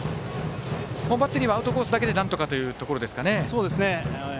バッテリーはアウトコースだけでなんとかというところですかね。